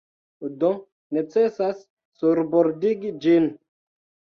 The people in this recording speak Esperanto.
Do necesas surbordigi ĝin.